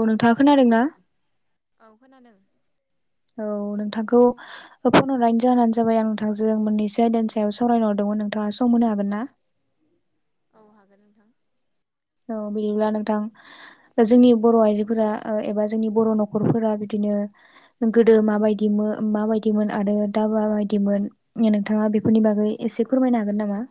औ नोंथा खोनादोंना? औ खोनादों औ नोंथांखौ फन हरनायनायनि जाहोनानो जाबाय आं नोंथांजों मोननैसो आयदानि सायाव सावरायनोहरदों मोन नोंथाङा सम होनो हागोन ना? [inaudible] हागोन नोंथां। औ बिदिब्ला नोंथां जोंनि बर' आइजोफोरा ओ एबा जोंनि बर' न'खरफोरा बिदि नो गोदो माबायदि माबायदिमोन आरो दा माबायदिमोन नोंथाङा बे बेफोरनि बागै एसे फोरमायनो हागोन नामा?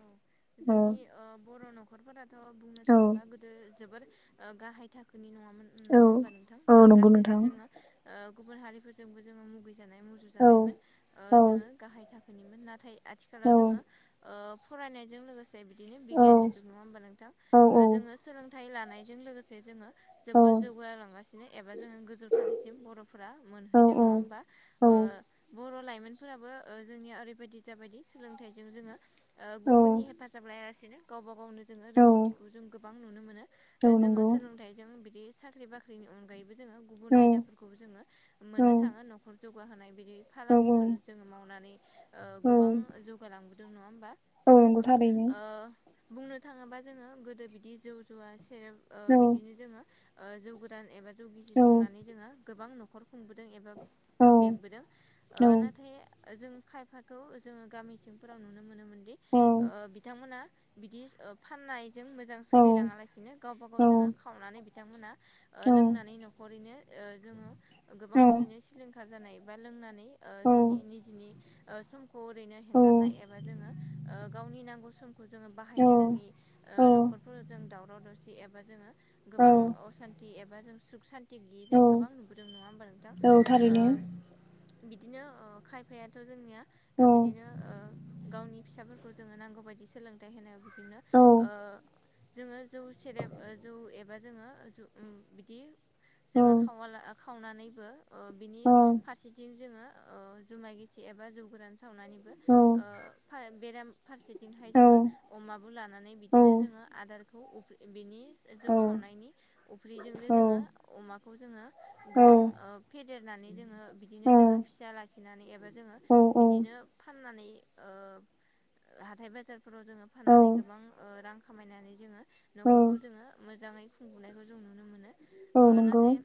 औ जोंनि ओ बर' न'खरफोराथ' बुंनो औ थाङोब्ला गोदो जोबोर ओ गाहाय थाखोनि नङामोन नङा औ होमबा नोंथां औ नंगौ गासैजों नोंथां जोङो ओ गुबुन हारिफोरजोंबो जोङो मुगैजानाय औ मुजुजानायमोन ओ औ जोङो गाहाय थाख खोनिमोन नाथाय आथिखालाव औ जोङो ओ फरायनायजों लोगोसे से बिदिनो औ बिगियाननि जुग नङा होमबा नोंथां औ जोङो सोलोंथाइ लानायजों लोगोसे जोङो औ जोबोर जौगालांगासिनो एबा जोङो गोजौ थाखोसिम बर'फोरा मोनहैदों नङा होमबा ओ ओ बर' लाइमोनफोराबो ओ जोंनिया ओरैबायदि जाबायदि सोलोंथाइजों जोङो ओ औ गुबुननि हेफाजाब लायालासिनो गावबा गावनो जोङो औ रोंगौथिखौ जों गोबां नुनो मोनो। औ जोङो नंगौ सोलोंथाइजों बिदि साख्रि बाख्रिनि अनगायैबो जोङो गुबुन औ आयदाफोखौबो जोङो औ मोननो थाङो न'खर जौगाहोनाय बि औ फालांगिफोर जोङो मावनानै ओ औ गोबां जौगालांबोदों नङा होमबा? औ नंगौ थारैनो। ओ बुंनो थाङोबा जोङो गोदो बिदि जौ जुवा सेरेब ओ औ बिदिनो जोङो ओ जौ गोदान एबा जौ गिसििर औ संनानै जोङो गोबां न'खर खुंबोदों एबा औ बेंबोदों ओ औ नाथाय जों खायफाखौ जोङो गामि सिंफोराव नुनो मोनोमोनदि ओ बिथांमोना बिदि फाननायजों मोजां औ सोलिलाङा लासिनो गावबा गाव जोङो खावनानै बिथांमोनहा लोंनानै न'खरैनो जोङो गोबां बिदिनो सिलिंखार जानाय बा लोंनानै ओ जोंनि निजनि समखौ ओरैनो हेंगारनाय एबा जोङो ओ गावनि नांगौ समखौ जोङो बाहायनो रोङि ओ न'खरफोर जों दावराव दावसि एबा जोङो औ गोबां असान्ति एबा जों सुख सान थि गियै जों गोबां नुबोदों नङा होमबा नोंथां? औ ओ थारैनो बिदिनो खायफायाथ' जोंनिया औ बिदिनो औ ओ गावनि फिसाफोरखौ जोङो नांगौ बायदि सोलोंथाइ होनायाव बिदिनो ओ जोङो जौ सेरेब जौ एबा जोङो जो ओ बिदि जोङो खावाला खावनानैबो ओ औ बिनि फारसेथिं जोङो ओ जुमाय गिसि एबा जौ गोरान सावनानैबो बेराम फारसेथिंहाय जोङो अमाबो लानानै बिदिनो जोङो आदारखौ अफ बिनि औ जौ सावनायनि अफ्रिजोंनो जोङो अमाखौ जोङो गोबां ओ फेदेरना नानै जोङो बिदिनो जोङो फिसा लाखिनानै एबा जोङो बिदिनो फाननानै ओ हाथाय बाजारफोराव जोङो फाननानै गोबां रां खामायनानै जोङो औ न'खरखौ जोङो मोजाङै खुंबुंनायखौ जों नुनो मोनो औ ओ नंगौ नाथाय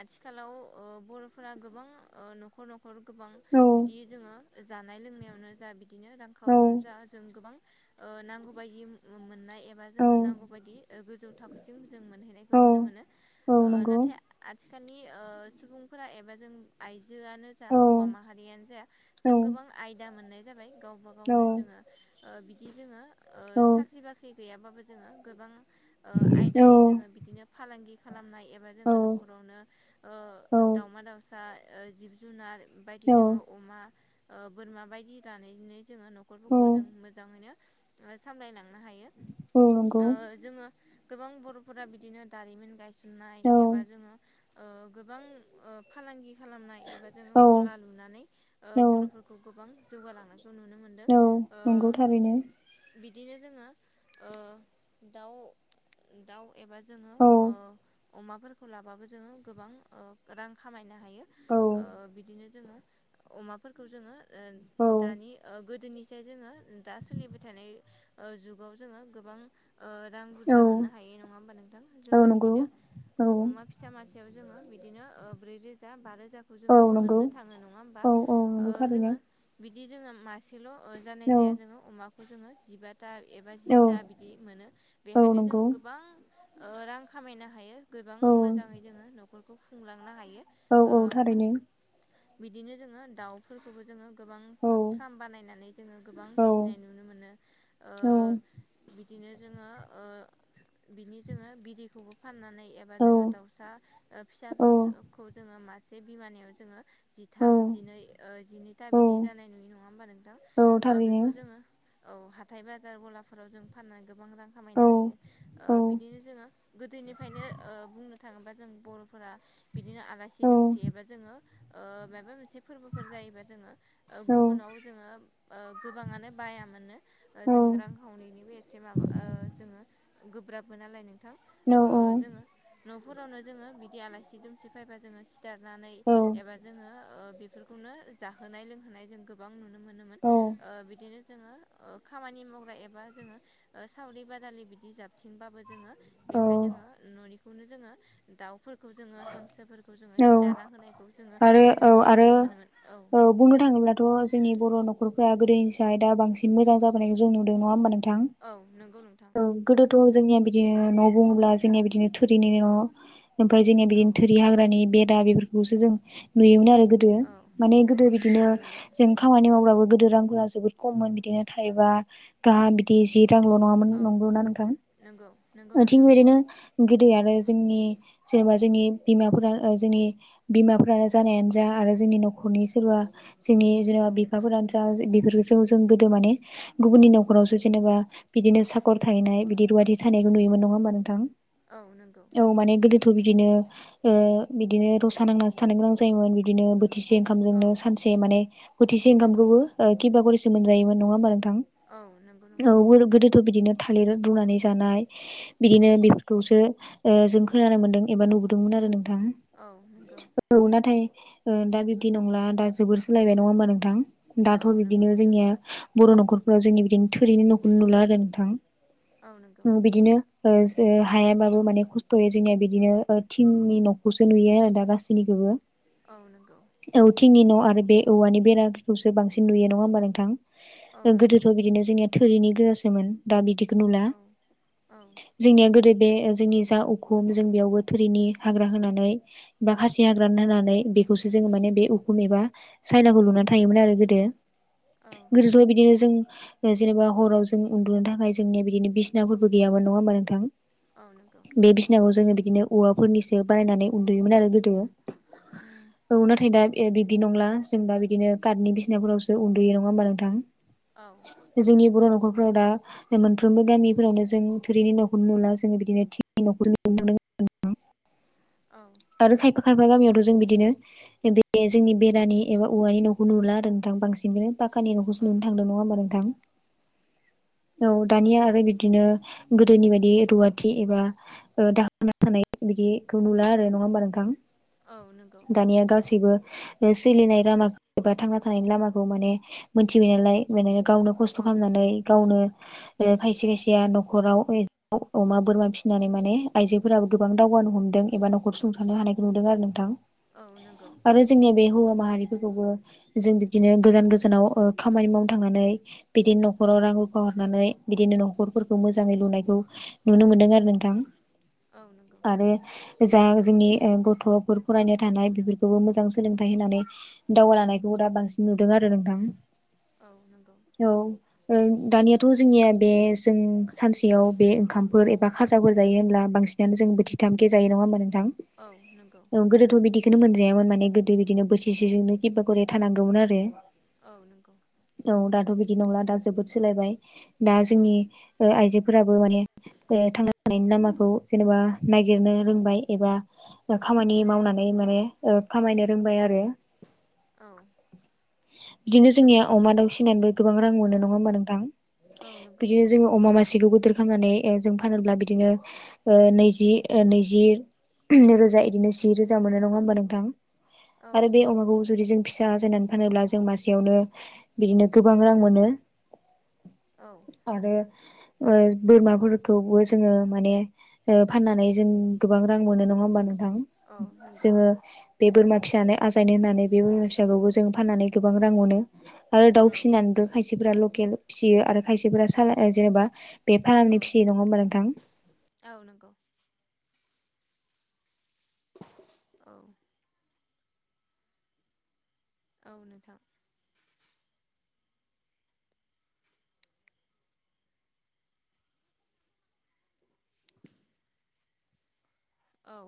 आथिखालाव ओ बर'फोरा गोबां ओ न'खर न'खर गोबां बिदि जोङो जानाय लोंनायावनो जा बिदिनो रां औ खावरियावनो जा जों गोबां ओ नांगौ बायदि मोननाय एबा औ जोङो नांगौ बायदि ओ गोजौ थाखोसिम जों मोनहैनाय औ नुनो मोनो औ ओ नंगौ नाथाय आथि खालनि ओ सुबुंफोरा एबा जों आइ जोआनो जा औ हौवा माहारियानो जा औ जों गोबां आयदा मोननाय जाबाय गावबा औ गावनो जोङो ओ बिदि जोङो ओ औ साख्रि बाख्रि गैयाबाबो जोङो गोबां ओ आयदायै जोङो बिदिनो फालांगि खालामनाय एबा औ जोङो न'खरावनो ओ दावमा दाउसा ओ जिब जुनार बायदि जोङो अमा ओ बोरमा बायदि लानायनो जोङो औ न'खरफोरखौ जों मोजाङैनो ओ सामलायलांनो हायो औ नंगौ ओ जोङो गोबां बर'फोरा बिदिनो दारिमिन गायसन नाय औ एबा जोङो ओ गोबां ओ फालांगि खालामनाय एबा जोङो औ गला लुनानै ओ औ बर'फोरखौ गोबां जौगालांनो औ नंगौ थारैनो बिदिनो जोङो ओ दउ दाउ एबा जोङो औ ओ अमाफोरखौ लाबाबो जोङो गोबां ओ रां खामायना औ जोंङो अमाफोरखौ जोङो औ दानि ओ गोदोनिसाय जोङो दा सोलिबाय थानाय ओ जुगाव जोङो गोबां ओ रां बुरजा मोननो हायो नङा होमबा नोंथां औ जोङो नंगौ बिदिनो अमा फिसा मासेयाव जोङो बिदिनो ओ ब्रै रोजा बा रोजा खौ औ नंगौ औ जोङो नंगौ मोननो थाङो नङा होमबा ओ थारैनो जोङो बिदि जोङो मासेल' जानाय औ जाया जोङो अमाखौ जोङो जिबा था एबा औ जिथा बिदि मोनो औ बेहायनो जों नंगौ गोबां ओ रां खामायनो हायो गोबां औ मोजाङै जोङो न'खरखौ खुंलाङो औ औ थारैनो बिदिनो जोङो दाउफोरखौबो जोङो गोबां औ फार्म बानायनानै जोङो गोबां औ फिसिनाय नुनो मोनो ओ बिदिनो जोङो ओ बिनि जोङो बिदैखौबो फाननानै एबा जोङो दाउसा ओ फिसाखौ जोङो मासे बिमानियाव जोङो औ जिथाम जिनै ओ जिनैथा औ बिदि औ जानाय नुि नङा होमबा नोंथां औ ओ थारैनो बेखौ जोङो औ हाथाय बाजार गलाफोराव जों फाननानै गोबां रां औ खामायनो हायो ओ औ बिदिनो जोङो गोदोनिफ्रायनो ओ बुंनो थाङोबा जों बर'फोरा बिदिनो आलासि औ दुमसि एबा जोङो ओ माबा मोनसे फोरबोफोर जायोबा जोङो ओ औ गुबुनाव जोङो ओ गोबाङानो बायामोननो औ जों रांखावरिनिबो एसे माबा ओ जोङो गोब्राबमोन नालाय नोंथां ओ औ जोंङो न फोरावनो जोङो बिदि आलासि दुमसि फैबा जोङो सिथारनानै औ एबा जोङो ओ बेफोरखौनो जाहोनाय लोंहोनाय जों गोबां नुनो मोनोमोन ओ बिदिनो जोङो ओ खामानि मावग्रा एबा जोङो ओ सावरि बादालि बिदि जाबथिंबाबो जोङो बेयावहाय जोङो औ न'निखौनो जोङो दाउफोरखौ जोङो हांसोफोर खौ जोङो सिथारना होनायखौ जोङो आरो औ गोबां आरो नुनो मोनोमोन औ बुंनो थाङोब्लाथ' जोंनि बर' न'खरफोरा गोदोनिफ्राय दा बांसिन मोजां जाबोनायखौ जों नुदों नङा होनोमबा नों थां औ नंगौ नोंथां औ गोदोथ' जोंनिया बिदिनो न'बुङोब्ला जोंनिया बिदिनो थोरिनि न' औ ओमफ्राय जोंनिया औ बिदिनो थोरि हाग्रानि बेरा बेफोरखौसो जों नुयोमोन आरो गोदो औ माने गोदो बिदिनो औ नंगौ जों खामानि मावब्लाबो गो- गोदो रांफोरा जोबोद खममोन बिदिनो थाइबा गाहाम बिदि जि रांल' नङामोन औ नंगौ ना नोंथां। नंगौ नंगौ थिख नोंथां बिदिनो गोदो आरो जोंनि जेनेबा जोंनि बिमाफोरा जोंनि बिमाफोरानो जानायानो जा आरो जोंनि न'खरनि सोरबा जोंनि औ जेनेबा बिफाफोरान जा बिसोरखौ जों गोदो माने गुबुननि न'खरावसो जेनबा बिदिनो साखर थाहैनाय बिदि रुवारि थानाय नुयोमोन नङा होनबा नोंथां? औ नंगौ औ माने गोदोथ' बिदिनो बिदिनो रसा नांनानैसो थानो गोनां जायोन बिदिनो बो- थिसे ओंखामजोंनो औ सानसे माने बोथिसे नंगौ ओंखामखौबो किबा खरिसो मोनजायोमोन नङा होनबा नों- थां? औ नंगौ औ नोंथां गोदोथ' बिदिनो थालिर रुनानै जानाय बिदिनो बेफोरखौसो जों खोनानो मोन्दों एबा नुबोदोंमोन आरो नोंथां। औ नंगौ। औ नाथाय ओ दा बिब्दि नंला दा जोबोर सोलायबाय नङा होमा नोंथां? औ दाथ' नंगौ बिदिनो नोंथां जोंनिया बर' न'खरफोराव जोंनि बिदिनो थोरिनि न'खौनो नुला आरो नोंथां। औ नंगौ उम बिदिनो हायाबाबो माने खस्थ'यै जोंनिया बिदिनो थिंनि न'खौ सो नुयो आरो दा गासैनिखौबो। औ नंगौ। औ थिंनि न' आरो बे औवानि बेराफोरखौसो बांसिन नुयो नङा होमबा नोंथां? औ नंगौ गोदोथ' बिदिनो जोंनिया थोरिनि गोजासोमोन दा बिदिखौ नुला औ औ जोंनिया गोदो बे जोंनि दा उखुम जों बेयावबो थोरिनि हाग्रा होनानै बा खासि हाग्रा हानानै बेखौसो जोङो माने बे उखुम एबा सायनाखौ लुनानै थायोमोन आरो गोदो। औ गोदोथ' बिदिनो जों जेनबा हराव जों उन्दुनो थाखाय जोंनिया बिदिनो बिसिनाफोरबो गैयामोन नङा होमबा नोंथां। औ नंगौ बे बिसिनाखौ जोङो बिदिनो औवाफोरनिसो बानायनानै उन्दुयोमोन आरो गोदो। उम औ नाथाय दा बिब्दि नंला जों दा बिदिनो कार्टनि बिसिनाफोरावसो उन्दुयो नङा होमबा नोंथां। औ बे जोंनि बर' न'खर फोराव दा मोनफ्रोमबो गामिफोरावनो जों थुरिनि न'खौनो नुला जोङो बिदिनो थिंनि न'खौ नुनो मोनदों आरोना नोंथां। [inaudible] आरो खायफा खायफा गामियावथ' जों बिदिनो बे जोंनि बेरानि एबा औवानि न'खौ नुला नोंथां बांसिनै पाख्खानि न'खौसो औ नुनो नंगौ थांदों नङा होमबा नोंथां? [inaudible] औ दानिया आरो बिदिनो गोदोनि बायदि रुवाथि एबा दाहोना थानाय बिदिखौ नुला आरो नङा होमबा नोंथां? औ नंगौ दानिया गासैबो सोलिनाय लामा एबा थांना थानायनि लामाखौ माने मोनथिबाय नालाय माने गावनो खस्थ' औ खालामनानै गावनो खायसे खायसेया न'खराव अमा बोरमा फिसिनानै माने आइजोफोराबो गोबां दावगानो हमदों एबा न'खर सुंथानो औ हानायखौ नुदों आरो नोंथां औ नंगौ आरो जोंनिया बे हौवा माहारिफोरखौबो जों बिदिनो गोजान गोजानाव ओ खामानि मावनो थांनानै बिदिनो औ न'खराव रां रुखा हरनानै बिदिनो न'खर फोरखौ मोजाङै लुनायखौ नुनो मोनदों आरो नोंथां औ नंगौ आरो जा जोंनि ओ गथ'फोर फरायनो थानाय बेफोरखौबो मोजां सोलोंथाइ होनानै दावगालांनायखौ दा बांसिन नुदों आरो नोंथां। औ नंगौ ओं दानियाथ' जोंनिया बे जों सानसेयाव बे ओंखाम फोर एबा खाजाफोर जायो होनब्ला बांसिनानो जों बोथि थामखे जायो नङा होमबा नों थां औ नंगौ औ गोदोथ' बिदि [unintelligible] मोनजायामोन माने गोदो बिदिनो बोथिसेजोंनो किबा गरि थानांगौमोन आरो औ नंगौ औ दाथ' बिदि नंला दा जोबोद सोलायबाय। दा औ जोंनि ओ आइजोफोरा बो माने ओ थांना थानायनि लामाखौ जेनेबा नागिरनो रोंबाय। एबा खामानि मावनानै माने ओ खामायनो रोंबाय आरो। औ बिदिनो जोंनिया अमा दाउफिनानैबो गोबां रां मोनो नङा होमबा नोंथां औ नंगौ बिदिनो जोङो अमा मासे खौ गिदिर खामनानै ओ जों फानोब्ला बिदिनो ओ नैजि ओ नैजि नैरोजा इदिनो जि रोजा मोनो नङा होमबा नोंथां? औ आरो बे नंगौ अमाखौ जुदि जों फिसा जोनोम होनोब्ला जों मासेयावनो बिदिनो गोबां रां मोनो औ आरो ओ बोरमाफोरखौबो जोङो माने ओ फाननानै जों गोबां रां मोनो नङा होमबा नों थां औ नंगौ जोङो बे बोरमा फिसानो आजायनो होननानै बे बोरमा फिसाखौबो जों फाननानै गोबां रां मोनो आरो दाउ औ औ फिसिनानैबो खायसेफोरा लकेल फिसियो आरो खायसेफोरा साल औ ओ जेनेबा बे फारामनि फिसियै नङा होमबा नोंथां औ नंगौ औ औ नोंथां। औ